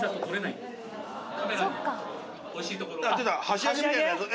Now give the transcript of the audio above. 箸上げみたいなやつ？